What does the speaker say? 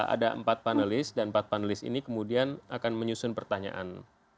ada empat panelis dan empat panelis ini kemudian akan menyusun pertanyaan